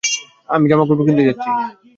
আমি জামাকাপড় কিনতে যাচ্ছি।